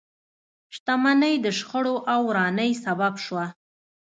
شتمنۍ د شخړو او ورانۍ سبب شوه.